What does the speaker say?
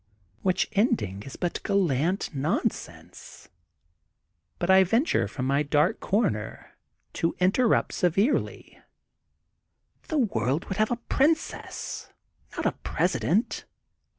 Which ending is of course but gallant nonsense. But I venture, from my dark comer to interrupt severely: — The world would have a princess, jipt a president.